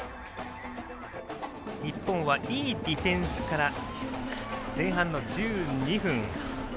日本はいいディフェンスから前半の１２分。